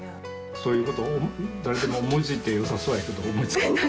そういうこと誰でも思いついてよさそうやけど思いつかない。